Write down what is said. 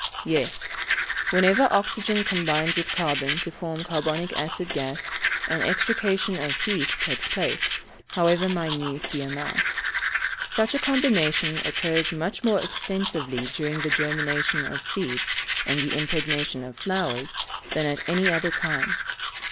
_ Yes; whenever oxygen combines with carbon to form carbonic acid gas, an extrication of heat takes place, however minute the amount. Such a combination occurs much more extensively during the germination of seeds and the impregnation of flowers, than at any other time.